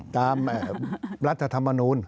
ตามรัฐธรรมนูล